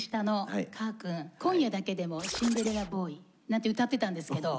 君「今夜だけでもシンデレラ・ボーイ」なんて歌ってたんですけど